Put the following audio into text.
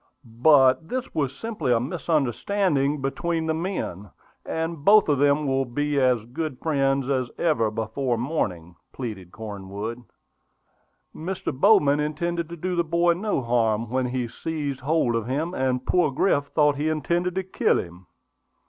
"But this was simply a misunderstanding between the men; and both of them will be as good friends as ever before morning," pleaded Cornwood. "Mr. Bowman intended to do the boy no harm when he seized hold of him; and poor Griff thought he intended to kill him."